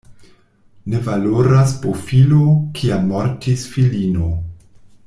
Ne valoras bofilo, kiam mortis filino.